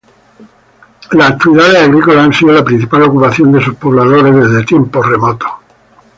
Las actividades agrícolas han sido la principal ocupación de sus pobladores desde tiempos remotos.